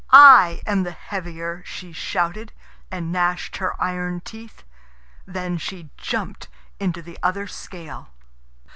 "I am the heavier," she shouted, and gnashed her iron teeth. Then she jumped into the other scale.